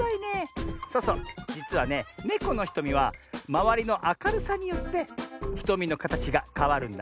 そうそうじつはねネコのひとみはまわりのあかるさによってひとみのかたちがかわるんだね。